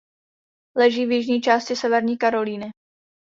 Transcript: Leží v jižní části Severní Karolíny.